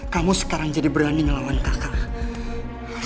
kamu sekarang jadi berani ngelawan kakak